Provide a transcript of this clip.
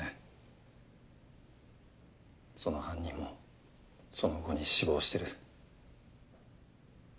その犯人もその後に死亡してる。